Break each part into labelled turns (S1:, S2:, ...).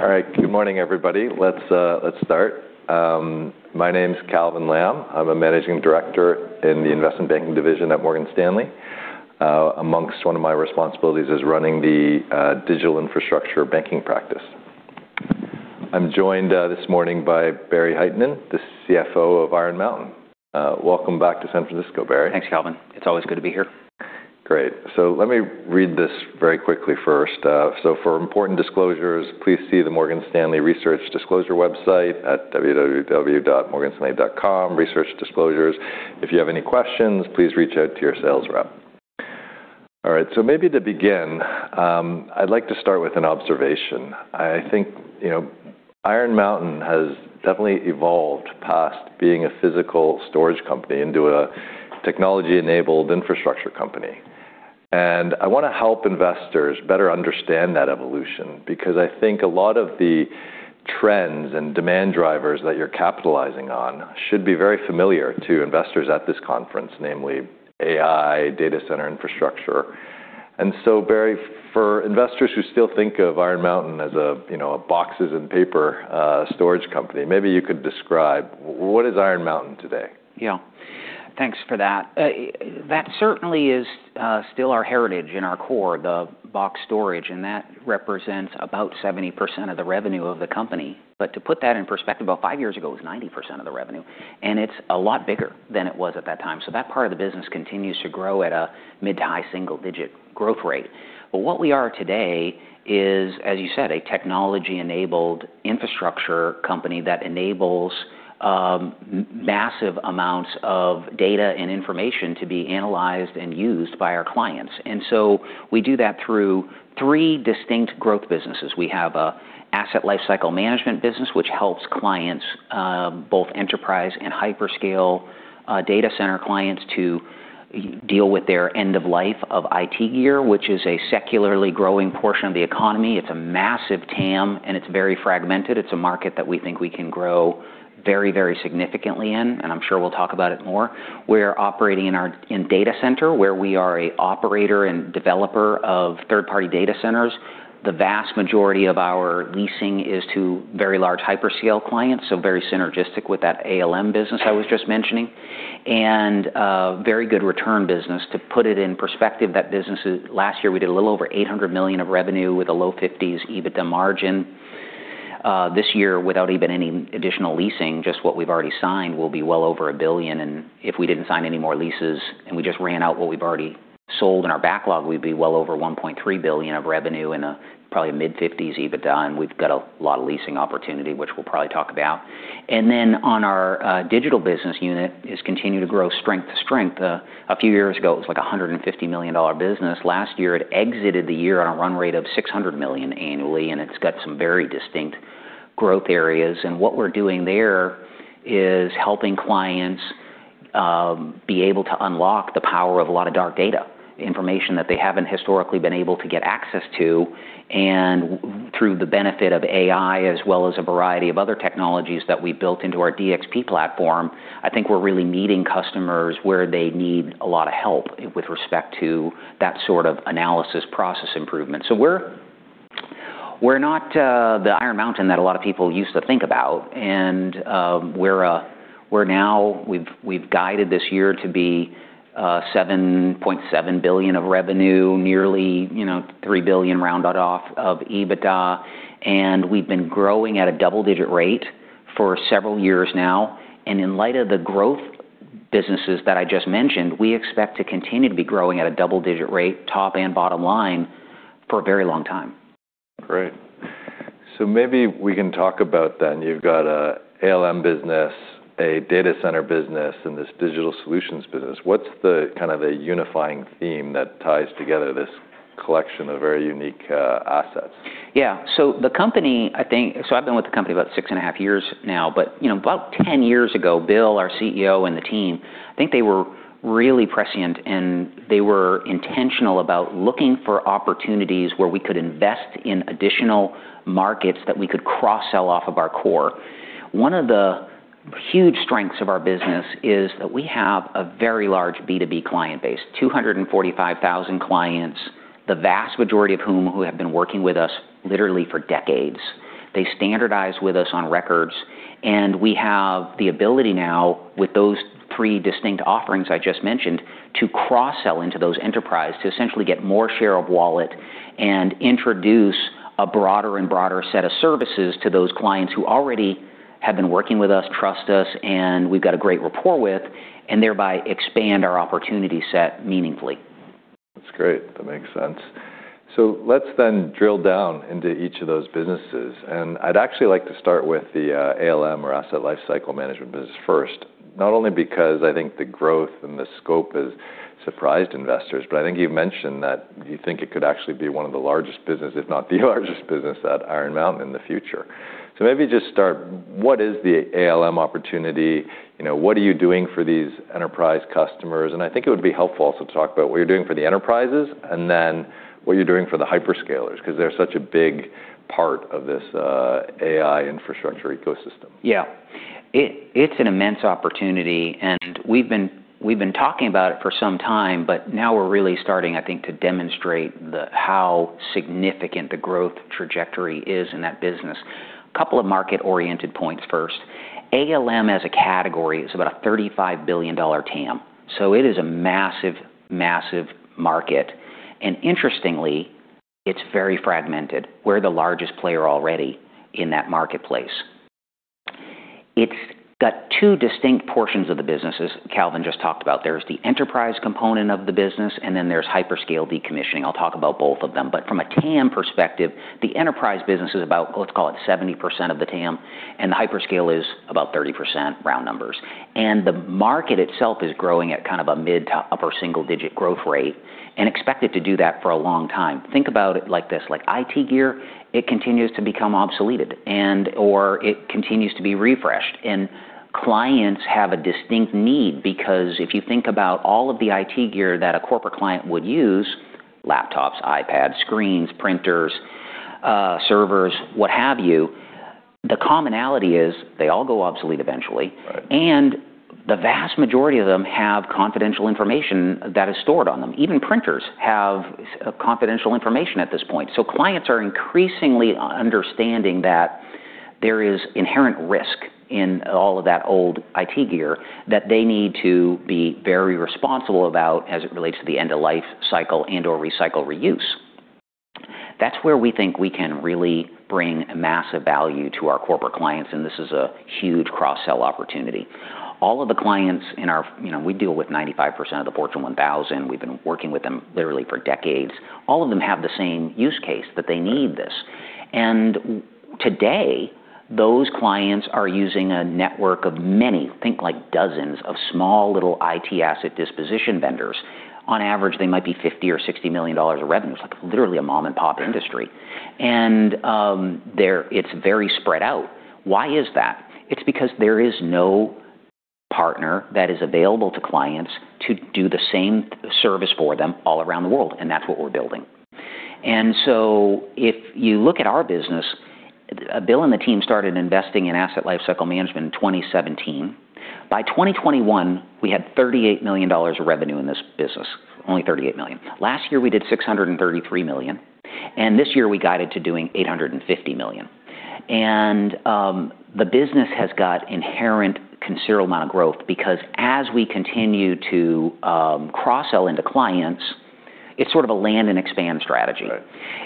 S1: All right. Good morning, everybody. Let's start. My name's Calvin Lam. I'm a Managing Director in the investment banking division at Morgan Stanley. Amongst one of my responsibilities is running the digital infrastructure banking practice. I'm joined this morning by Barry Hytinen, the CFO of Iron Mountain. Welcome back to San Francisco, Barry.
S2: Thanks, Calvin. It's always good to be here.
S1: Great. Let me read this very quickly first. For important disclosures, please see the Morgan Stanley Research Disclosure website at www.morganstanley.comresearchdisclosures. If you have any questions, please reach out to your sales rep. All right, maybe to begin, I'd like to start with an observation. I think, you know, Iron Mountain has definitely evolved past being a physical storage company into a technology-enabled infrastructure company. I wanna help investors better understand that evolution because I think a lot of the trends and demand drivers that you're capitalizing on should be very familiar to investors at this conference, namely AI, data center infrastructure. Barry, for investors who still think of Iron Mountain as a, you know, a boxes and paper storage company, maybe you could describe what is Iron Mountain today?
S2: Yeah. Thanks for that. That certainly is still our heritage and our core, the box storage, and that represents about 70% of the revenue of the company. To put that in perspective, about five years ago, it was 90% of the revenue, and it's a lot bigger than it was at that time. That part of the business continues to grow at a mid to high single digit growth rate. What we are today is, as you said, a technology-enabled infrastructure company that enables massive amounts of data and information to be analyzed and used by our clients. We do that through three distinct growth businesses. We have a Asset Lifecycle Management business, which helps clients, both enterprise and hyperscale, data center clients to deal with their end of life of IT year, which is a secularly growing portion of the economy. It's a massive TAM, and it's very fragmented. It's a market that we think we can grow very, very significantly in, and I'm sure we'll talk about it more. We're operating in data center, where we are a operator and developer of third-party data centers. The vast majority of our leasing is to very large hyperscale clients, so very synergistic with that ALM business I was just mentioning, and very good return business. To put it in perspective, last year, we did a little over $800 million of revenue with a low 50s EBITDA margin. This year, without even any additional leasing, just what we've already signed, we'll be well over $1 billion. If we didn't sign any more leases, and we just ran out what we've already sold in our backlog, we'd be well over $1.3 billion of revenue in, probably mid-50s EBITDA, and we've got a lot of leasing opportunity, which we'll probably talk about. On our digital business unit, is continuing to grow strength to strength. A few years ago, it was like a $150 million business. Last year, it exited the year on a run rate of $600 million annually, and it's got some very distinct growth areas. What we're doing there is helping clients be able to unlock the power of a lot of dark data, information that they haven't historically been able to get access to. Through the benefit of AI, as well as a variety of other technologies that we built into our DXP platform, I think we're really meeting customers where they need a lot of help with respect to that sort of analysis process improvement. We're not the Iron Mountain that a lot of people used to think about, and we've guided this year to be $7.7 billion of revenue, nearly, you know, $3 billion rounded off of EBITDA, and we've been growing at a double-digit rate for several years now. In light of the growth businesses that I just mentioned, we expect to continue to be growing at a double-digit rate, top and bottom line, for a very long time.
S1: Great. Maybe we can talk about then you've got a ALM business, a data center business, and this digital solutions business. What's the kind of a unifying theme that ties together this collection of very unique assets?
S2: Yeah. The company, I've been with the company about six and a half years now. You know, about 10 years ago, Bill, our CEO, and the team, I think they were really prescient, and they were intentional about looking for opportunities where we could invest in additional markets that we could cross-sell off of our core. One of the huge strengths of our business is that we have a very large B2B client base, 245,000 clients, the vast majority of whom have been working with us literally for decades. They standardize with us on records, and we have the ability now with those three distinct offerings I just mentioned to cross-sell into those enterprise to essentially get more share of wallet and introduce a broader and broader set of services to those clients who already have been working with us, trust us, and we've got a great rapport with, and thereby expand our opportunity set meaningfully.
S1: That's great. That makes sense. Let's drill down into each of those businesses. I'd actually like to start with the ALM or Asset Lifecycle Management business first, not only because I think the growth and the scope has surprised investors, but I think you've mentioned that you think it could actually be one of the largest business, if not the largest business at Iron Mountain in the future. Maybe just start, what is the ALM opportunity? You know, what are you doing for these enterprise customers? I think it would be helpful also to talk about what you're doing for the enterprises and what you're doing for the hyperscalers 'cause they're such a big part of this AI infrastructure ecosystem.
S2: It's an immense opportunity, we've been talking about it for some time, now we're really starting, I think, to demonstrate the how significant the growth trajectory is in that business. Couple of market-oriented points first. ALM as a category is about a $35 billion TAM, it is a massive market. Interestingly, it's very fragmented. We're the largest player already in that marketplace. It's got two distinct portions of the businesses Calvin just talked about. There's the enterprise component of the business, and then there's hyperscale decommissioning. I'll talk about both of them. From a TAM perspective, the enterprise business is about, let's call it 70% of the TAM, and the hyperscale is about 30% round numbers. The market itself is growing at kind of a mid to upper single-digit growth rate and expected to do that for a long time. Think about it like this. Like IT gear, it continues to become obsoleted and, or it continues to be refreshed. Clients have a distinct need because if you think about all of the IT gear that a corporate client would use, laptops, iPads, screens, printers, servers, what have you, the commonality is they all go obsolete eventually.
S1: Right.
S2: The vast majority of them have confidential information that is stored on them. Even printers have confidential information at this point. Clients are increasingly understanding that there is inherent risk in all of that old IT gear that they need to be very responsible about as it relates to the end-of-life cycle and/or recycle reuse. That's where we think we can really bring massive value to our corporate clients, and this is a huge cross-sell opportunity. All of the clients in our, you know, we deal with 95% of the Fortune 1000. We've been working with them literally for decades. All of them have the same use case that they need this. Today, those clients are using a network of many, think like dozens of small little IT Asset Disposition vendors. On average, they might be $50 million-$60 million of revenue. It's like literally a mom-and-pop industry.
S1: Yeah.
S2: It's very spread out. Why is that? It's because there is no partner that is available to clients to do the same service for them all around the world, and that's what we're building. If you look at our business, Bill and the team started investing in Asset Lifecycle Management in 2017. By 2021, we had $38 million of revenue in this business. Only $38 million. Last year, we did $633 million, and this year we guided to doing $850 million. The business has got inherent considerable amount of growth because as we continue to cross-sell into clients, it's sort of a land and expand strategy.
S1: Right.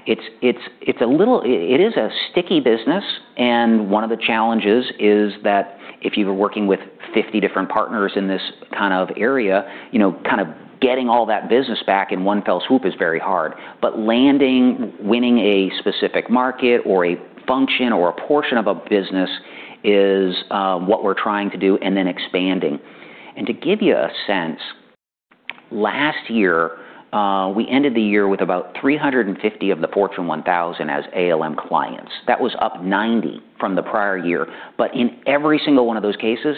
S2: It is a sticky business, and one of the challenges is that if you were working with 50 different partners in this kind of area, you know, kind of getting all that business back in one fell swoop is very hard. Landing, winning a specific market or a function or a portion of a business is what we're trying to do, and then expanding. To give you a sense, last year, we ended the year with about 350 of the Fortune 1000 as ALM clients. That was up 90 from the prior year. In every single one of those cases,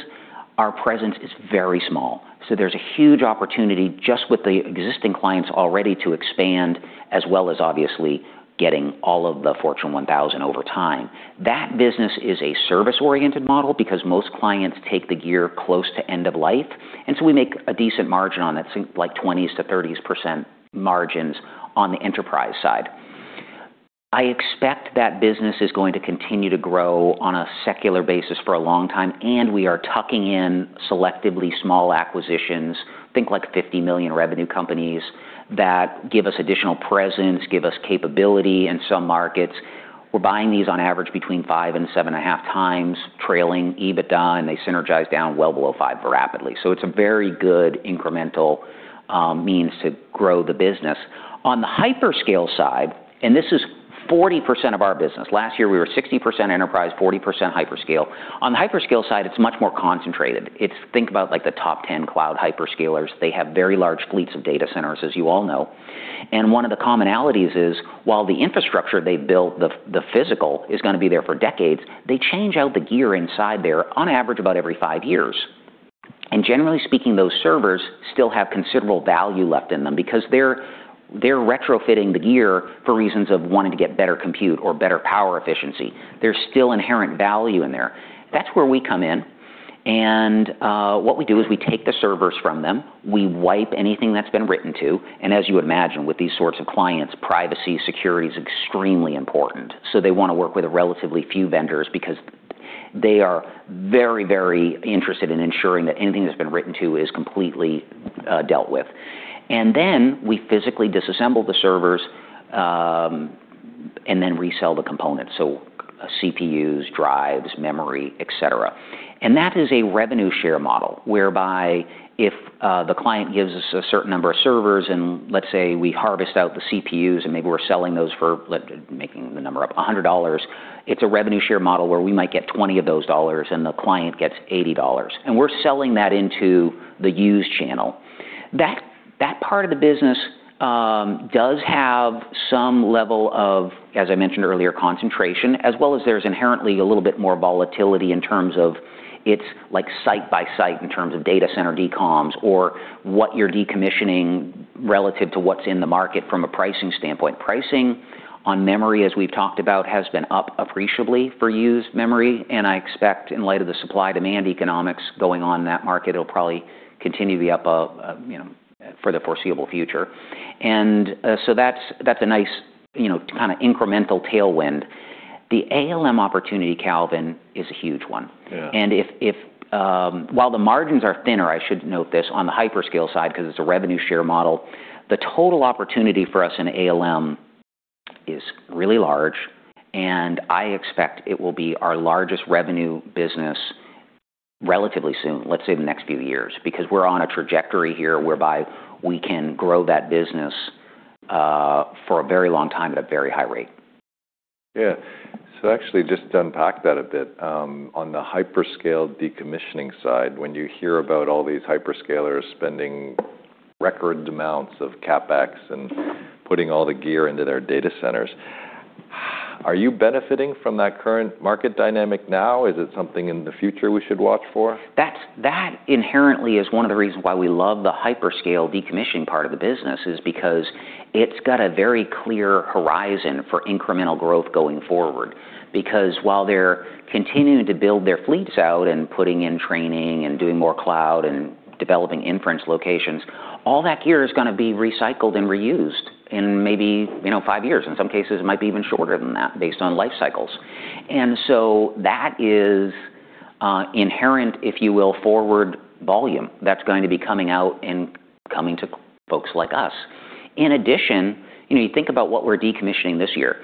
S2: our presence is very small. There's a huge opportunity just with the existing clients already to expand, as well as obviously getting all of the Fortune 1000 over time. That business is a service-oriented model because most clients take the gear close to end of life, and so we make a decent margin on it, think like 20%-30% margins on the enterprise side. I expect that business is going to continue to grow on a secular basis for a long time, and we are tucking in selectively small acquisitions, think like $50 million revenue companies, that give us additional presence, give us capability in some markets. We're buying these on average between 5x and 7.5x trailing EBITDA, and they synergize down well below 5x rapidly. It's a very good incremental means to grow the business. On the hyperscale side, and this is 40% of our business. Last year, we were 60% enterprise, 40% hyperscale. On the hyperscale side, it's much more concentrated. Think about like the top 10 cloud hyperscalers. They have very large fleets of data centers, as you all know. One of the commonalities is while the infrastructure they've built, the physical is going to be there for decades, they change out the gear inside there on average about every five years. Generally speaking, those servers still have considerable value left in them because they're retrofitting the gear for reasons of wanting to get better compute or better power efficiency. There's still inherent value in there. That's where we come in, and what we do is we take the servers from them, we wipe anything that's been written to. As you would imagine, with these sorts of clients, privacy, security is extremely important. They want to work with a relatively few vendors because they are very, very interested in ensuring that anything that's been written to is completely dealt with. We physically disassemble the servers, and then resell the components. CPUs, drives, memory, et cetera. That is a revenue share model whereby if the client gives us a certain number of servers and let's say we harvest out the CPUs, and maybe we're selling those for, making the number up, $100, it's a revenue share model where we might get $20 of those dollars and the client gets $80. We're selling that into the used channel. That part of the business does have some level of, as I mentioned earlier, concentration, as well as there's inherently a little bit more volatility in terms of it's like site by site in terms of data center decoms or what you're decommissioning relative to what's in the market from a pricing standpoint. Pricing on memory, as we've talked about, has been up appreciably for used memory. I expect in light of the supply-demand economics going on in that market, it'll probably continue to be up, you know, for the foreseeable future. That's a nice, you know, kinda incremental tailwind. The ALM opportunity, Calvin, is a huge one.
S1: Yeah.
S2: If... While the margins are thinner, I should note this, on the hyperscale side, 'cause it's a revenue share model, the total opportunity for us in ALM is really large, and I expect it will be our largest revenue business relatively soon, let's say the next few years. We're on a trajectory here whereby we can grow that business for a very long time at a very high rate.
S1: Yeah. Actually, just to unpack that a bit, on the hyperscale decommissioning side, when you hear about all these hyperscalers spending record amounts of CapEx and putting all the gear into their data centers, are you benefiting from that current market dynamic now? Is it something in the future we should watch for?
S2: That inherently is one of the reasons why we love the hyperscale decommission part of the business, is because it's got a very clear horizon for incremental growth going forward. While they're continuing to build their fleets out and putting in training and doing more cloud and developing inference locations, all that gear is gonna be recycled and reused in maybe, you know, five years. In some cases, it might be even shorter than that based on life cycles. So that is inherent, if you will, forward volume that's going to be coming out and coming to folks like us. In addition, you know, you think about what we're decommissioning this year,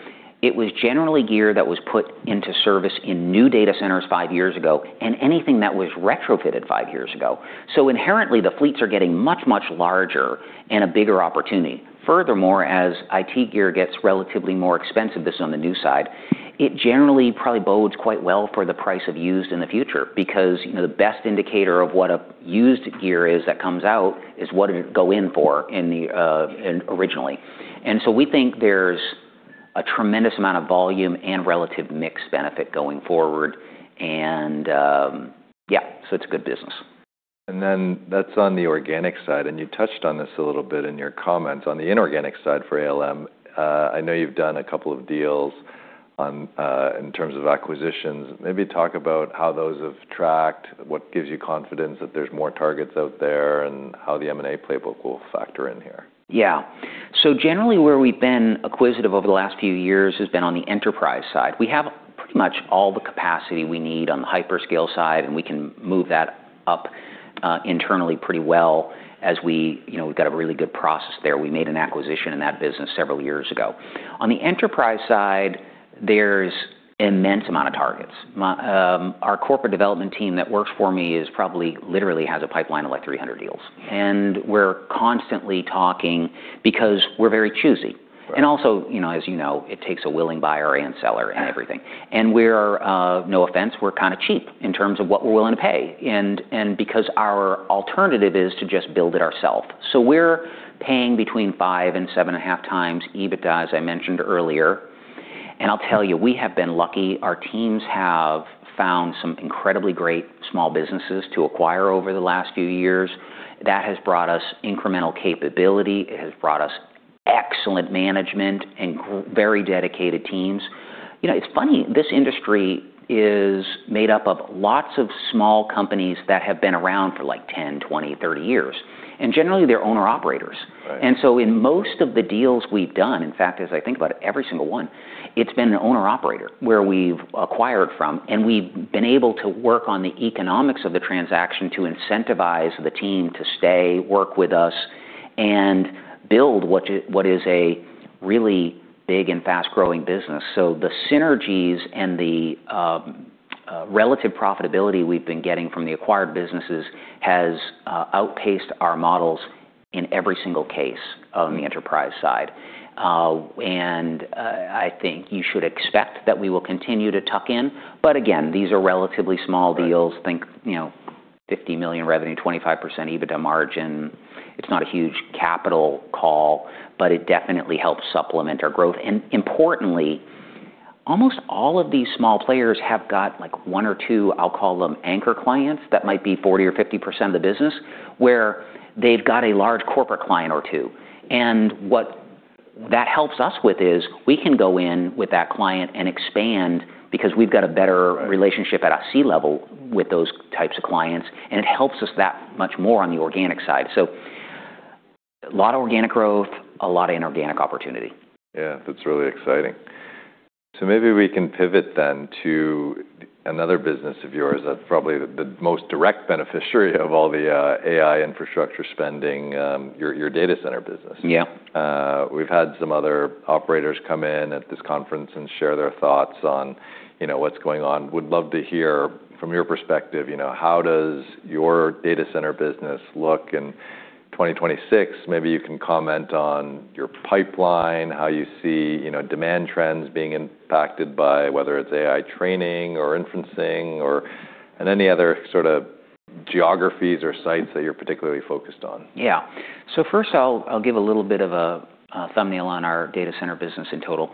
S2: it was generally gear that was put into service in new data centers five years ago, and anything that was retrofitted five years ago. Inherently, the fleets are getting much, much larger and a bigger opportunity. Furthermore, as IT gear gets relatively more expensive, this is on the new side, it generally probably bodes quite well for the price of used in the future, because, you know, the best indicator of what a used gear is that comes out is what did it go in for originally. We think there's a tremendous amount of volume and relative mix benefit going forward and, yeah, so it's good business.
S1: That's on the organic side, and you touched on this a little bit in your comments. On the inorganic side for ALM, I know you've done a couple of deals in terms of acquisitions. Maybe talk about how those have tracked, what gives you confidence that there's more targets out there, and how the M&A playbook will factor in here.
S2: Yeah. Generally where we've been acquisitive over the last few years has been on the enterprise side. We have pretty much all the capacity we need on the hyperscale side, we can move that up internally pretty well as we... You know, we've got a really good process there. We made an acquisition in that business several years ago. On the enterprise side, there's immense amount of targets. Our corporate development team that works for me is probably literally has a pipeline of, like, 300 deals, we're constantly talking because we're very choosy.
S1: Right.
S2: Also, you know, as you know, it takes a willing buyer and seller-
S1: Right....
S2: and everything. We're, no offense, we're kinda cheap in terms of what we're willing to pay and because our alternative is to just build it ourself. We're paying between 5x and 7.5x EBITDA, as I mentioned earlier. I'll tell you, we have been lucky. Our teams have found some incredibly great small businesses to acquire over the last few years. That has brought us incremental capability, it has brought us excellent management and very dedicated teams. You know, it's funny, this industry is made up of lots of small companies that have been around for, like, 10, 20, 30 years, and generally they're owner-operators.
S1: Right.
S2: In most of the deals we've done, in fact, as I think about it, every single one, it's been an owner-operator where we've acquired from, and we've been able to work on the economics of the transaction to incentivize the team to stay, work with us, and build what is a really big and fast-growing business. The synergies and the relative profitability we've been getting from the acquired businesses has outpaced our models in every single case on the enterprise side. I think you should expect that we will continue to tuck in, but again, these are relatively small deals.
S1: Right.
S2: Think, you know, $50 million revenue, 25% EBITDA margin. It's not a huge capital call, but it definitely helps supplement our growth. Importantly, almost all of these small players have got, like, one or two, I'll call them anchor clients, that might be 40% or 50% of the business, where they've got a large corporate client or two. What that helps us with is we can go in with that client and expand because we've got a better relationship at a C-level with those types of clients, and it helps us that much more on the organic side. A lot of organic growth, a lot of inorganic opportunity.
S1: Yeah. That's really exciting. Maybe we can pivot then to another business of yours that's probably the most direct beneficiary of all the AI infrastructure spending, your data center business.
S2: Yeah.
S1: We've had some other operators come in at this conference and share their thoughts on, you know, what's going on. Would love to hear from your perspective, you know, how does your data center business look in 2026? Maybe you can comment on your pipeline, how you see, you know, demand trends being impacted by whether it's AI training or inference or... any other sort of geographies or sites that you're particularly focused on.
S2: First I'll give a little bit of a thumbnail on our data center business in total.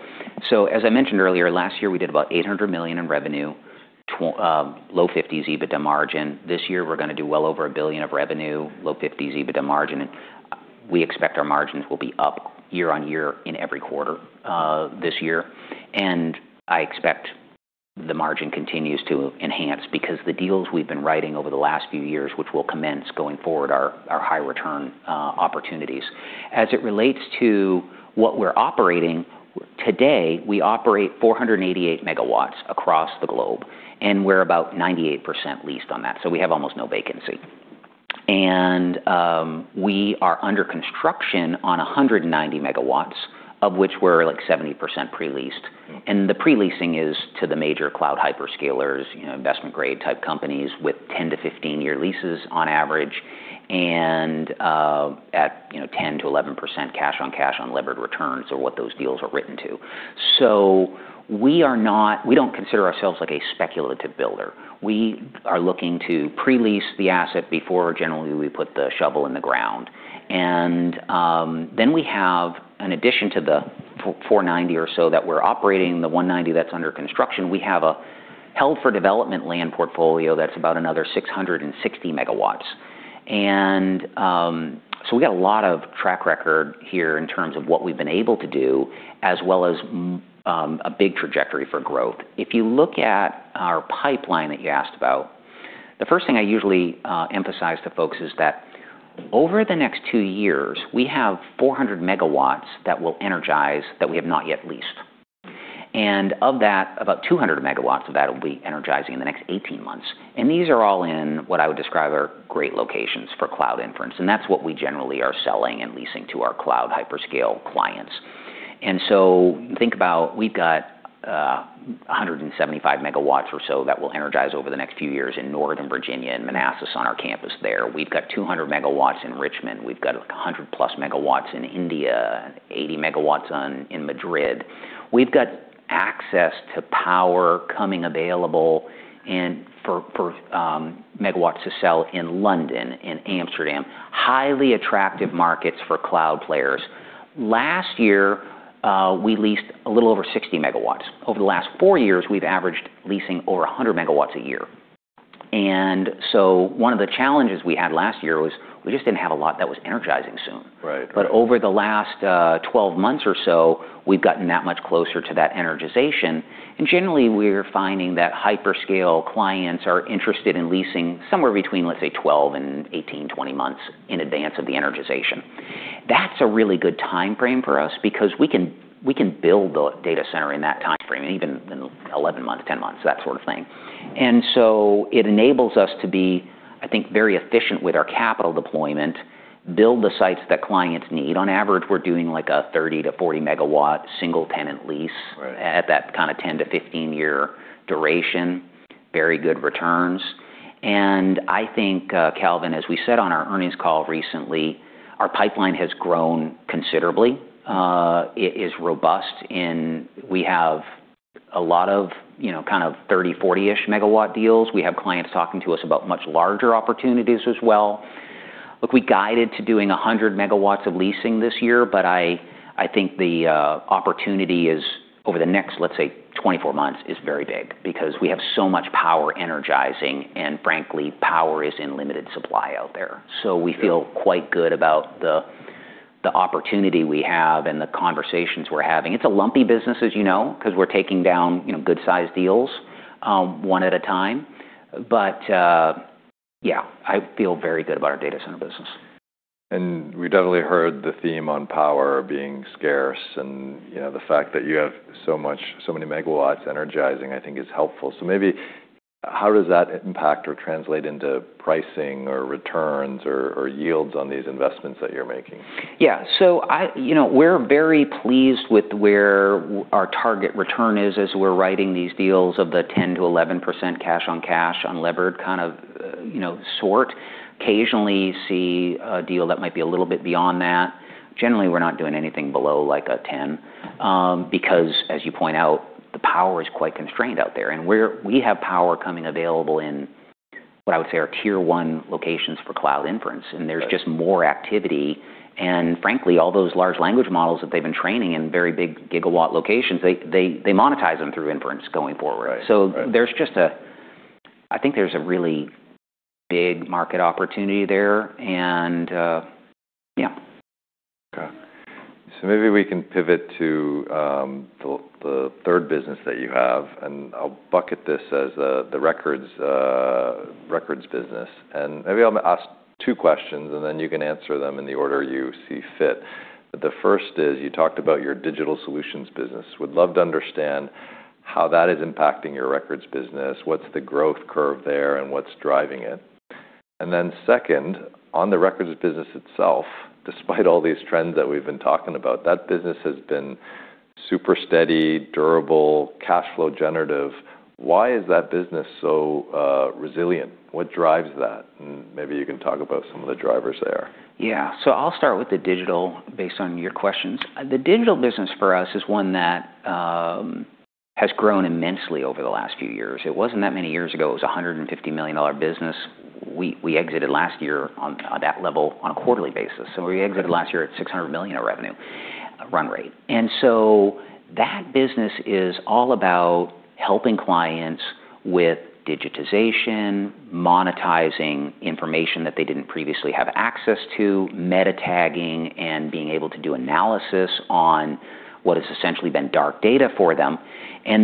S2: As I mentioned earlier, last year we did about $800 million in revenue, low 50s EBITDA margin. This year we're gonna do well over $1 billion of revenue, low 50s EBITDA margin, and we expect our margins will be up year-on-year in every quarter this year. The margin continues to enhance because the deals we've been writing over the last few years, which will commence going forward are high return opportunities. As it relates to what we're operating today, we operate 488 MW across the globe, and we're about 98% leased on that. We have almost no vacancy. We are under construction on 190 MW, of which we're like 70% pre-leased.
S1: Mm-hmm.
S2: The pre-leasing is to the major cloud hyperscalers, you know, investment grade type companies with 10-15-year leases on average, and at, you know, 10%-11% cash on cash on levered returns are what those deals are written to. We don't consider ourselves like a speculative builder. We are looking to pre-lease the asset before generally we put the shovel in the ground. We have an addition to the 490 or so that we're operating, the 190 that's under construction. We have a held for development land portfolio that's about another 660 MW. We got a lot of track record here in terms of what we've been able to do, as well as a big trajectory for growth. If you look at our pipeline that you asked about, the first thing I usually emphasize to folks is that over the next two years, we have 400 MW that will energize that we have not yet leased. Of that, about 200 MW of that will be energizing in the next 18 months. These are all in what I would describe are great locations for cloud inference, and that's what we generally are selling and leasing to our cloud hyperscale clients. Think about we've got 175 MW or so that will energize over the next few years in Northern Virginia and Manassas on our campus there. We've got 200 MW in Richmond. We've got 100+ MW in India, 80 MW in Madrid. We've got access to power coming available and for megawatts to sell in London, in Amsterdam. Highly attractive markets for cloud players. Last year, we leased a little over 60 MW. Over the last four years, we've averaged leasing over 100 MW a year. One of the challenges we had last year was we just didn't have a lot that was energizing soon.
S1: Right. Right.
S2: Over the last 12 months or so, we've gotten that much closer to that energization. Generally, we're finding that hyperscale clients are interested in leasing somewhere between, let's say, 12 and 18, 20 months in advance of the energization. That's a really good timeframe for us because we can build the data center in that timeframe and even in 11 months, 10 months, that sort of thing. It enables us to be, I think, very efficient with our capital deployment, build the sites that clients need. On average, we're doing like a 30-40 MW single tenant lease-
S1: Right....
S2: at that kinda 10-15-year duration, very good returns. I think, Calvin, as we said on our earnings call recently, our pipeline has grown considerably. It is robust in we have a lot of, you know, kind of 30, 40-ish MW deals. We have clients talking to us about much larger opportunities as well. Look, we guided to doing 100 MW of leasing this year, I think the opportunity is over the next, let's say, 24 months is very big because we have so much power energizing, and frankly, power is in limited supply out there.
S1: Sure.
S2: We feel quite good about the opportunity we have and the conversations we're having. It's a lumpy business, as you know, 'cause we're taking down, you know, good-sized deals, one at a time. Yeah, I feel very good about our data center business.
S1: We definitely heard the theme on power being scarce, and, you know, the fact that you have so many megawatts energizing, I think is helpful. Maybe how does that impact or translate into pricing or returns or yields on these investments that you're making?
S2: You know, we're very pleased with where our target return is as we're writing these deals of the 10%-11% cash on cash on levered kind of, you know, sort. Occasionally see a deal that might be a little bit beyond that. Generally, we're not doing anything below like a 10%, because as you point out, the power is quite constrained out there. We have power coming available in, what I would say, are tier one locations for cloud inference.
S1: Right.
S2: There's just more activity, and frankly, all those large language models that they've been training in very big gigawatt locations, they monetize them through inference going forward.
S1: Right. Right.
S2: There's just I think there's a really big market opportunity there, and yeah.
S1: Okay. Maybe we can pivot to the third business that you have, and I'll bucket this as the records records business. Maybe I'll ask two questions, and then you can answer them in the order you see fit. The first is, you talked about your digital solutions business. Would love to understand how that is impacting your records business. What's the growth curve there, and what's driving it? Second, on the records business itself, despite all these trends that we've been talking about, that business has been super steady, durable, cash flow generative. Why is that business so resilient? What drives that? And maybe you can talk about some of the drivers there.
S2: Yeah. I'll start with the digital based on your questions. The digital business for us is one that has grown immensely over the last few years. It wasn't that many years ago, it was a $150 million business. We exited last year on that level on a quarterly basis. We exited last year at $600 million of revenue run rate. That business is all about helping clients with digitization, monetizing information that they didn't previously have access to, meta tagging, and being able to do analysis on what has essentially been dark data for them.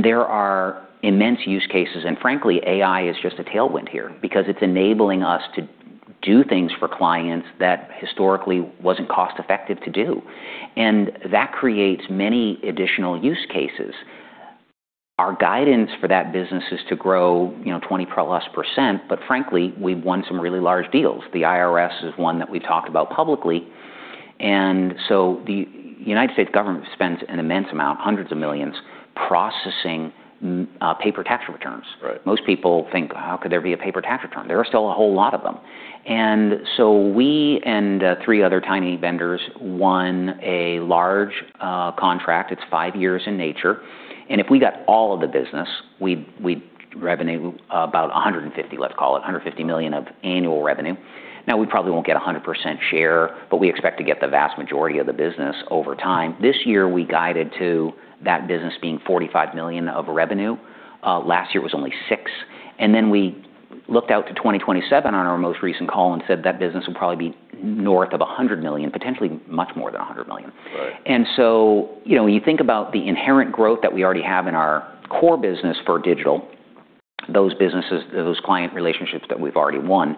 S2: There are immense use cases, and frankly, AI is just a tailwind here because it's enabling us to do things for clients that historically wasn't cost-effective to do. That creates many additional use cases. Our guidance for that business is to grow, you know, 20%+, frankly, we've won some really large deals. The IRS is one that we talked about publicly. The United States Government spends an immense amount, hundreds of millions, processing paper tax returns.
S1: Right.
S2: Most people think, how could there be a paper tax return? There are still a whole lot of them. We and three other tiny vendors won a large contract. It's five years in nature. If we got all of the business, we revenue about $150 million, let's call it, $150 million of annual revenue. Now, we probably won't get a 100% share, but we expect to get the vast majority of the business over time. This year, we guided to that business being $45 million of revenue. Last year was only $6 million. We looked out to 2027 on our most recent call and said that business will probably be north of $100 million, potentially much more than $100 million.
S1: Right.
S2: You know, when you think about the inherent growth that we already have in our core business for digital, those businesses, those client relationships that we've already won,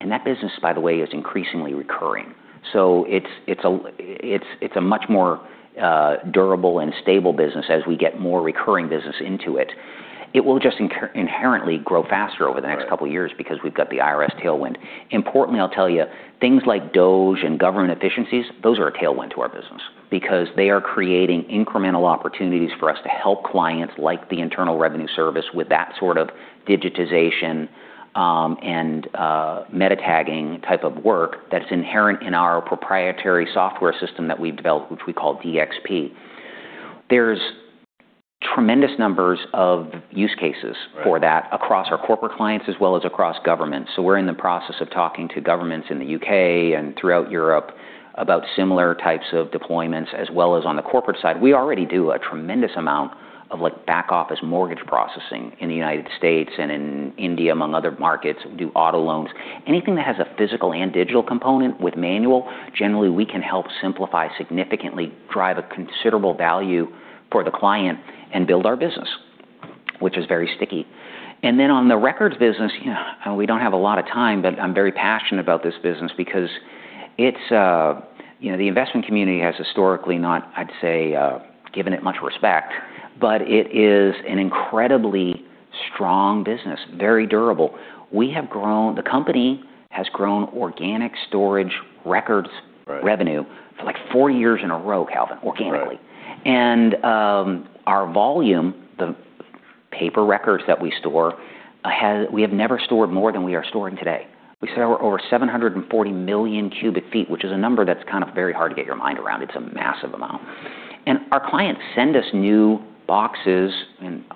S2: and that business, by the way, is increasingly recurring. It's a much more durable and stable business as we get more recurring business into it. It will just inherently grow faster over the next couple of years because we've got the IRS tailwind. Importantly, I'll tell you, things like DOGE and government efficiencies, those are a tailwind to our business because they are creating incremental opportunities for us to help clients like the Internal Revenue Service with that sort of digitization, and meta tagging type of work that's inherent in our proprietary software system that we've developed, which we call DXP. There's tremendous numbers of use cases-
S1: Right....
S2: for that across our corporate clients as well as across government. We're in the process of talking to governments in the U.K. and throughout Europe about similar types of deployments, as well as on the corporate side. We already do a tremendous amount of like back office mortgage processing in the United States and in India, among other markets, do auto loans. Anything that has a physical and digital component with manual, generally, we can help simplify, significantly drive a considerable value for the client and build our business, which is very sticky. On the records business, you know, we don't have a lot of time, but I'm very passionate about this business because it's, you know, the investment community has historically not, I'd say, given it much respect, but it is an incredibly strong business, very durable. The company has grown organic storage records-
S1: Right....
S2: revenue for like four years in a row, Calvin, organically.
S1: Right.
S2: Our volume, the paper records that we store, we have never stored more than we are storing today. We store over 740 million cu ft, which is a number that's kind of very hard to get your mind around. It's a massive amount. Our clients send us new boxes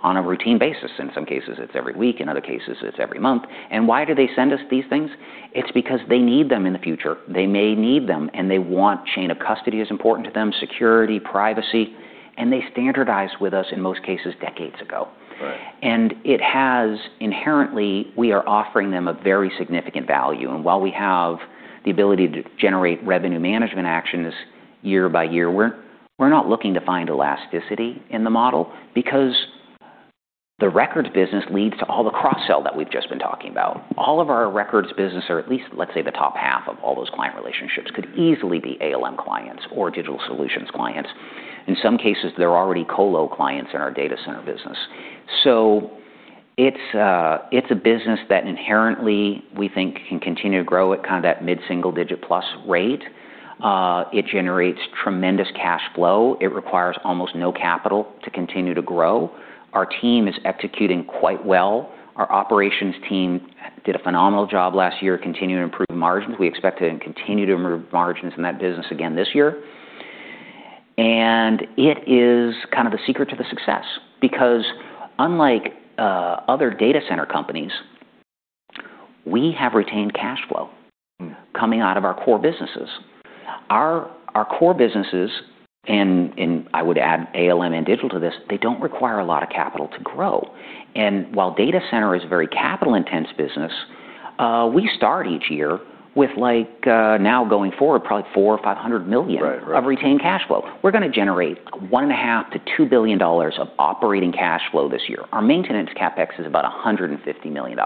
S2: on a routine basis. In some cases, it's every week. In other cases, it's every month. Why do they send us these things? It's because they need them in the future. They may need them, and they want chain of custody is important to them, security, privacy, and they standardized with us in most cases decades ago.
S1: Right.
S2: Inherently, we are offering them a very significant value. While we have the ability to generate revenue management actions year by year, we're not looking to find elasticity in the model because the records business leads to all the cross-sell that we've just been talking about. All of our records business, or at least let's say the top half of all those client relationships, could easily be ALM clients or digital solutions clients. In some cases, they're already colo clients in our data center business. It's a business that inherently, we think can continue to grow at kind of that mid-single digit plus rate. It generates tremendous cash flow. It requires almost no capital to continue to grow. Our team is executing quite well. Our operations team did a phenomenal job last year continuing to improve margins. We expect to continue to improve margins in that business again this year. It is kind of the secret to the success because unlike other data center companies, we have retained cash flow-
S1: Mm-hmm....
S2: coming out of our core businesses. Our core businesses, and I would add ALM and digital to this, they don't require a lot of capital to grow. While data center is a very capital-intense business, we start each year with like, now going forward, probably $400 million-$500 million-
S1: Right. Right.
S2: ...of retained cash flow. We're gonna generate $1.5 billion-$2 billion of operating cash flow this year. Our maintenance CapEx is about $150 million.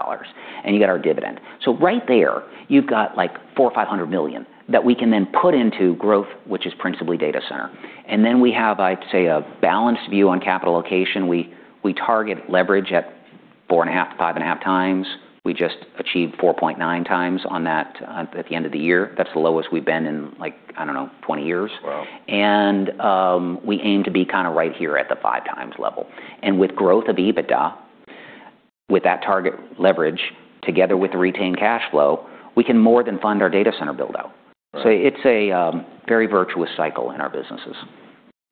S2: You got our dividend. Right there, you've got like $400 million or $500 million that we can then put into growth, which is principally data center. We have, I'd say, a balanced view on capital allocation. We target leverage at 4.5x-5.5x. We just achieved 4.9x on that at the end of the year. That's the lowest we've been in like, I don't know, 20 years.
S1: Wow.
S2: We aim to be kind of right here at the 5x level. With growth of EBITDA, with that target leverage, together with the retained cash flow, we can more than fund our data center build-out.
S1: Right.
S2: It's a very virtuous cycle in our businesses.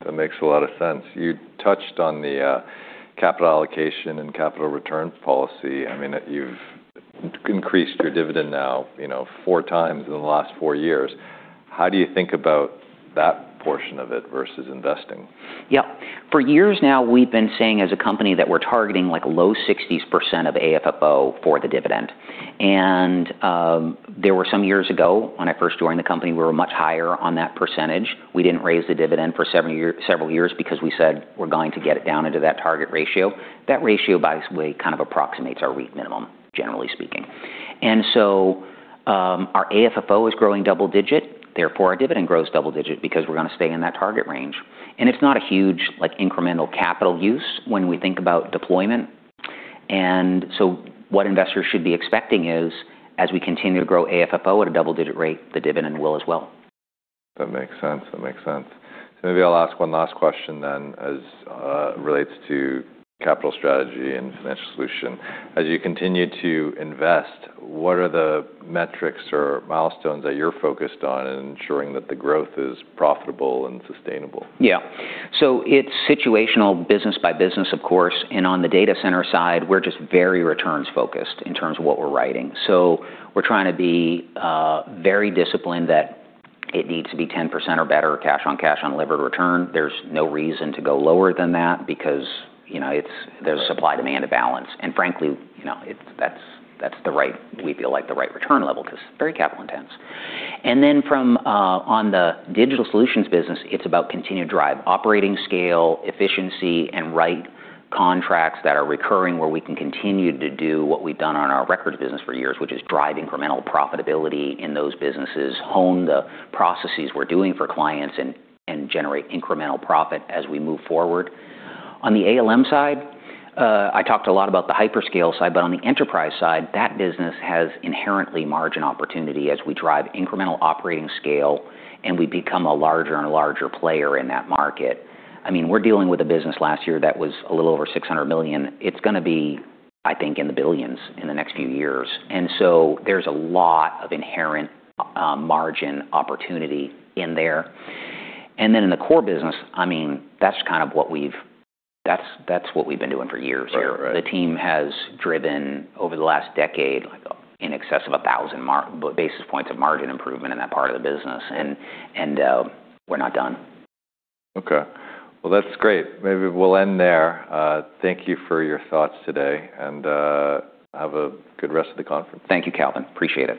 S1: That makes a lot of sense. You touched on the capital allocation and capital return policy. I mean, you've- ...increased your dividend now, you know, four times in the last four years. How do you think about that portion of it versus investing?
S2: Yeah. For years now, we've been saying as a company that we're targeting like low 60s% of AFFO for the dividend. There were some years ago when I first joined the company, we were much higher on that percentage. We didn't raise the dividend for several years because we said we're going to get it down into that target ratio. That ratio, by this way, kind of approximates our REIT minimum, generally speaking. Our AFFO is growing double-digit, therefore our dividend grows double-digit because we're gonna stay in that target range. It's not a huge like incremental capital use when we think about deployment. What investors should be expecting is, as we continue to grow AFFO at a double-digit rate, the dividend will as well.
S1: That makes sense. That makes sense. Maybe I'll ask one last question then as relates to capital strategy and financial solution. As you continue to invest, what are the metrics or milestones that you're focused on in ensuring that the growth is profitable and sustainable?
S2: Yeah. It's situational business by business, of course. On the data center side, we're just very returns focused in terms of what we're writing. We're trying to be very disciplined that it needs to be 10% or better cash on cash on delivered return. There's no reason to go lower than that because, you know, there's supply-demand balance. Frankly, you know, that's we feel like the right return level 'cause it's very capital intense. From on the digital solutions business, it's about continued drive, operating scale, efficiency, and right contracts that are recurring where we can continue to do what we've done on our records business for years, which is drive incremental profitability in those businesses, hone the processes we're doing for clients and generate incremental profit as we move forward. On the ALM side, I talked a lot about the hyperscale side, but on the enterprise side, that business has inherently margin opportunity as we drive incremental operating scale and we become a larger and larger player in that market. I mean, we're dealing with a business last year that was a little over $600 million. It's gonna be, I think, in the billions in the next few years. There's a lot of inherent margin opportunity in there. Then in the core business, I mean, that's kind of that's what we've been doing for years here.
S1: Right. Right.
S2: The team has driven over the last decade, like in excess of 1,000 basis points of margin improvement in that part of the business, and we're not done.
S1: Okay. Well, that's great. Maybe we'll end there. Thank you for your thoughts today. Have a good rest of the conference.
S2: Thank you, Calvin. Appreciate it.